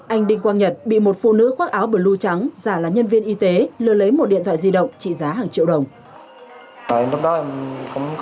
anh đinh quang nhật bị một phụ nữ khoác áo blue trắng giả là nhân viên y tế lừa lấy một điện thoại di động trị giá hàng triệu đồng